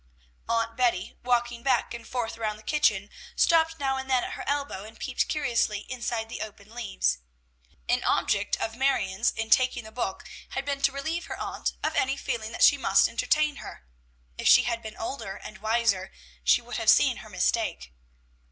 Aunt Betty, walking back and forth around the kitchen, stopped now and then at her elbow, and peeped curiously inside the open leaves. An object of Marion's in taking the book had been to relieve her aunt of any feeling that she must entertain her; if she had been older and wiser she would have seen her mistake.